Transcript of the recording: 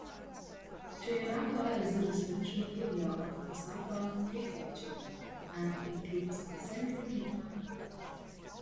Toyonaka is a residential area of Osaka Prefecture, and includes Senri New Town.